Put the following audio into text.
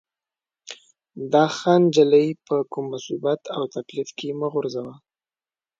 دا ښه نجلۍ په کوم مصیبت او تکلیف کې مه غورځوه.